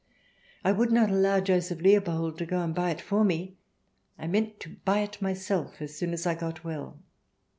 I would not allow Joseph Leopold to go and buy it for me, I meant to buy it myself as soon as I got well.